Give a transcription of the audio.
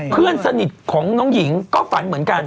เพื่อนสนิทของน้องหญิงก็ฝันเหมือนกัน